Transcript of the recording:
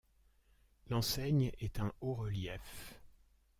L'enseigne est un haut relief.